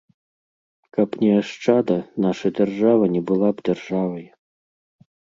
Каб не ашчада, наша дзяржава не была б дзяржавай.